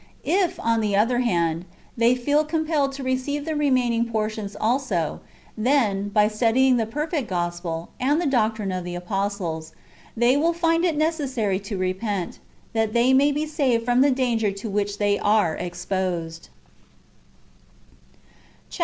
If, on the other hand, they feel compelled to receive the remaining portions also, then, by studying the perfect Gospel, and the doctrine of the apostles, they Vvill find it necessary to repent, that they may be saved from the danger [to which they are exposed]. Chap.